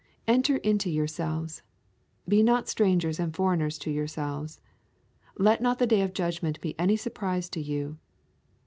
Enter into yourselves. Be not strangers and foreigners to yourselves. Let not the day of judgment be any surprise to you.